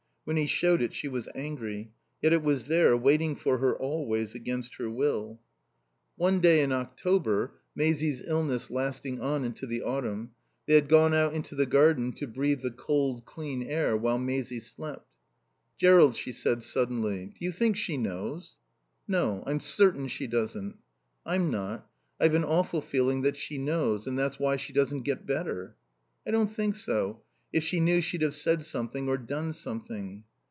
When he showed it she was angry. Yet it was there, waiting for her always, against her will. One day in October (Maisie's illness lasting on into the autumn) they had gone out into the garden to breathe the cold, clean air while Maisie slept. "Jerrold," she said, suddenly, "do you think she knows?" "No. I'm certain she doesn't." "I'm not. I've an awful feeling that she knows and that's why she doesn't get better." "I don't think so. If she knew she'd have said something or done something."